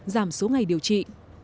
giảm số ngày điều trị